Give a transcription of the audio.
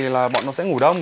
là bọn nó sẽ ngủ đông